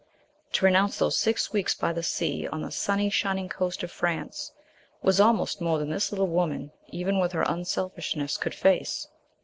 To renounce those six weeks by the sea on the sunny, shining coast of France, was almost more than this little woman, even with her unselfishness, could face.